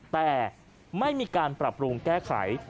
แต่ไม่มีการปรับปรุงแก้ไข